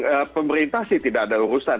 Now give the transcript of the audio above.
ya pemerintah sih tidak ada urusan